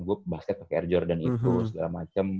gue basket pake air jordan itu segala macem